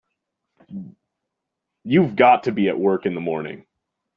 You've got to be at work in the morning.